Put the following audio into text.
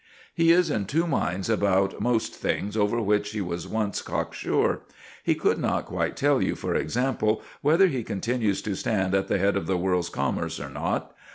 He is in two minds about most things over which he was once cock sure. He could not quite tell you, for example, whether he continues to stand at the head of the world's commerce or not.